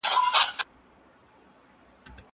هغه وويل چي سیر ګټور دی.